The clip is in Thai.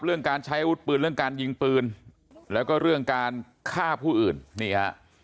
เรื่องการใช้อาวุธปืนเรื่องการยิงปืนแล้วก็เรื่องการฆ่าผู้อื่นนี่ฮะ